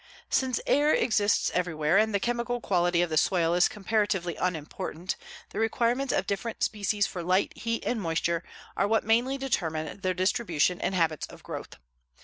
Since air exists everywhere and the chemical quality of the soil is comparatively unimportant, the requirements of different species for light, heat and moisture are what mainly determine their distribution and habits of growth.